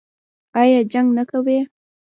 ایا جنګ نه کوي؟